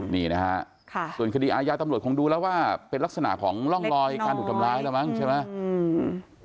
นี่นะฮะส่วนคดีอาญาตำรวจคงดูแล้วว่าเป็นลักษณะของร่องรอยการถูกทำร้ายแล้วมั้งใช่ไหม